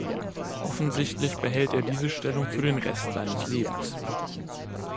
Offensichtlich behält er diese Stellung für den Rest seines Lebens.